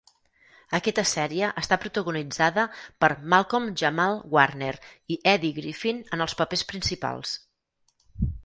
Aquesta sèrie està protagonitzada per Malcolm-Jamal Warner i Eddie Griffin en els papers principals.